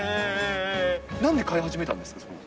なんで飼い始めたんですか？